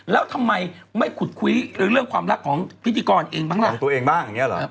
แล้วทำไมไม่ขุดคุยเรื่องความรักของพิธีกรเองบ้างล่ะของตัวเองบ้างอย่างนี้เหรอ